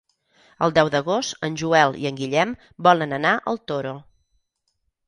El deu d'agost en Joel i en Guillem volen anar al Toro.